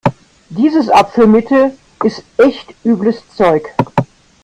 Dieses Abführmittel ist echt übles Zeug.